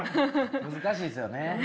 難しいですよね。